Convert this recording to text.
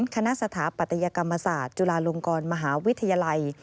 สถาปัตยกรรมศาสตร์จุฬาลงกรมหาวิทยาลัย